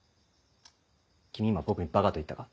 君今僕にバカと言ったか？